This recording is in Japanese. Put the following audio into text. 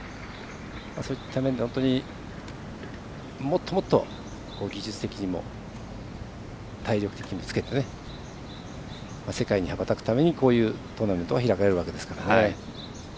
そういった面で本当に、もっともっと技術的にも、体力的にもつけて世界に羽ばたくためにこういうトーナメントは開かれるわけですからね。